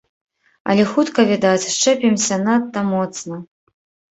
Але хутка, відаць, счэпімся надта моцна.